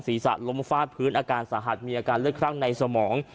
ศีรษะล้มฟาดพื้นอาการสาหัสมีอาการเลือดคลั่งในสมอง